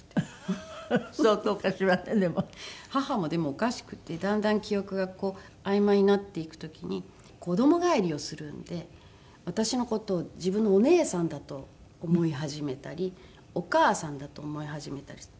母もでもおかしくてだんだん記憶があいまいになっていく時に子ども返りをするので私の事を自分のお姉さんだと思い始めたりお母さんだと思い始めたりする。